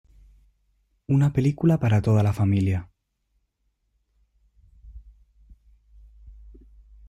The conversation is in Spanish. Una película para toda la familia.